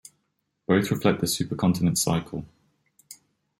Both reflect the supercontinent cycle.